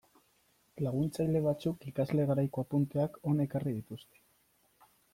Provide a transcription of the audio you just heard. Laguntzaile batzuk ikasle garaiko apunteak hona ekarri dituzte.